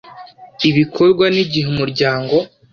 ibikorwa n igihe umuryango